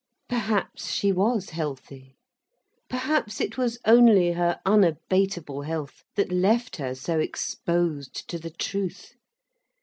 Perhaps she was healthy. Perhaps it was only her unabateable health that left her so exposed to the truth.